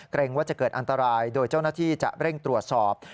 ว่าจะเกิดอันตรายโดยเจ้าหน้าที่จะเร่งตรวจสอบ